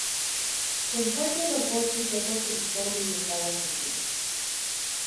Se encuentra en los bosques secos de Victoria y estados vecinos.